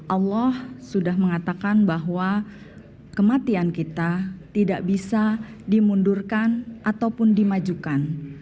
allah sudah mengatakan bahwa kematian kita tidak bisa dimundurkan ataupun dimajukan